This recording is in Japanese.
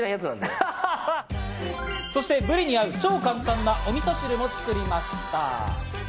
そしてブリに合う超簡単なお味噌汁も作りました。